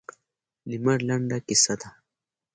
لمر لنډه کیسه ده.